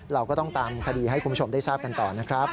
เราก็ต้องตามคดีให้คุณผู้ชมได้ทราบกันต่อนะครับ